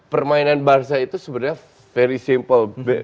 permainan barca itu sebenarnya very simple